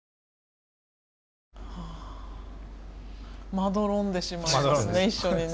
まどろんでしまいますね一緒にね。